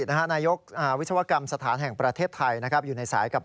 ทั้งการผลันการเปลี่ยนใช่ไหมครับ